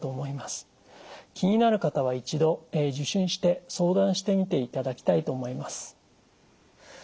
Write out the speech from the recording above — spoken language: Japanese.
気になる方は一度受診して相談してみていただきたいと思います。